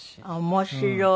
面白い。